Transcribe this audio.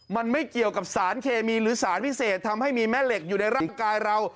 มันไม่เกี่ยวกับสารเคมีหรือสารพิเศษทำให้มีแม่เหล็กอยู่ในร่างกายเรา